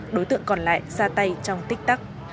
đối tượng còn lại ra tay trong tích tắc